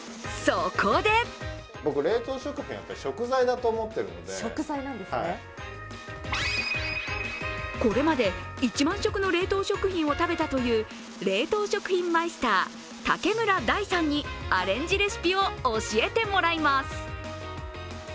そこでこれまで１万食の冷凍食品を食べたという冷凍食品マイスタータケムラダイさんにアレンジレシピを教えてもらいます。